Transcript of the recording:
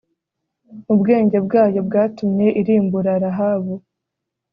ubwenge bwayo bwatumye irimbura rahabu